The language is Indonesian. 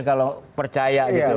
kalau percaya gitu